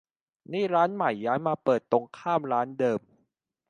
นี่ร้านใหม่ย้ายมาเปิดตรงข้ามร้านเดิม